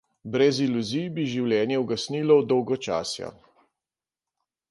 Brez iluzij bi življenje ugasnilo od dolgočasja.